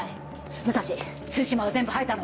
武蔵対馬は全部吐いたの？